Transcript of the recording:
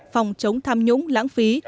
phòng chống tham nhũng lãng phí